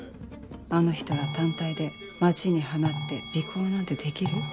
あの人ら単体で街に放って尾行なんてできる？